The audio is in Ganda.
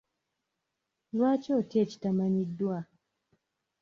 Lwaki otya ekitamanyiddwa?